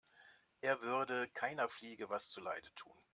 Er würde keiner Fliege was zu Leide tun.